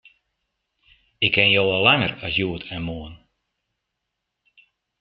Ik ken jo al langer as hjoed en moarn.